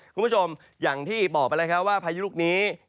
คุณผู้ชมอย่างที่บอกไปแล้วครับว่าพายุลูกนี้